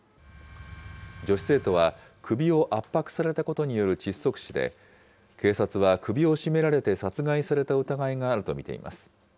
女子生徒は、首を圧迫されたことによる窒息死で、警察は首を絞められて殺害された疑いがあると見ています。